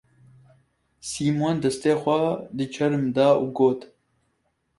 Sîmon destê xwe di çerm da û got: